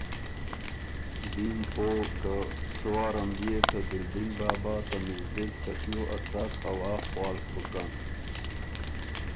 دیم او که سۀ وارم بيې ته دِلدِنګ بابا ته مِزدِک ته شیو ا څاک هوا خوالک بُکن